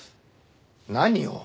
何を？